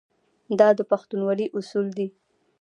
دا د پښتونولۍ اصول دي.